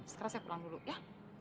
sekarang saya pulang dulu ya